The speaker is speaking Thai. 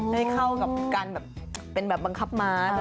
ให้เข้ากับการแบบเป็นแบบบังคับม้า